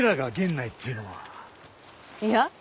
いや。